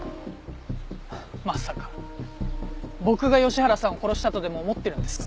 まさか僕が吉原さんを殺したとでも思ってるんですか？